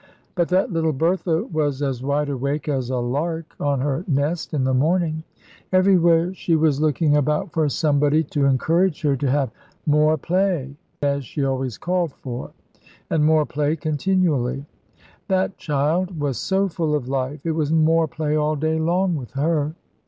But that little Bertha was as wide awake as a lark on her nest in the morning. Everywhere she was looking about for somebody to encourage her to have 'more play,' as she always called for; and 'more play' continually. That child was so full of life, it was 'more play' all day long with her!